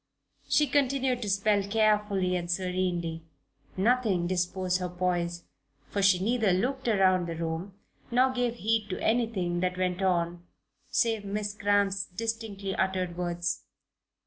She continued to spell carefully and serenely. Nothing disturbed her poise, for she neither looked around the room nor gave heed to anything that went on save Miss Cramp's distinctly uttered words.